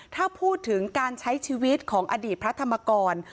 ถ้าพูดถึงการใช้ชีวิตของอดีตพระธรรมกร